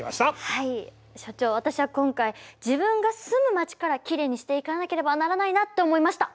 所長私は今回自分が住む街からきれいにしていかなければならないなって思いました。